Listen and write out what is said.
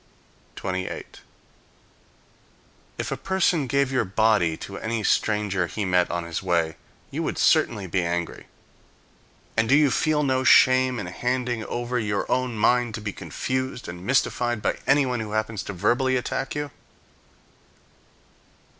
28. If a person gave your body to any stranger he met on his way, you would certainly be angry. And do you feel no shame in handing over your own mind to be confused and mystified by anyone who happens to verbally attack you?